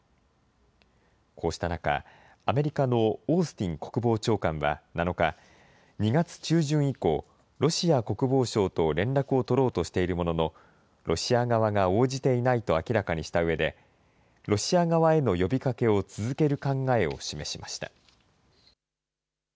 こうした中、アメリカのオースティン国防長官は７日、２月中旬以降、ロシア国防相と連絡を取ろうとしているものの、ロシア側が応じていないと明らかにしたうえで、ロシア側への呼びかけを続ける考えを示しました。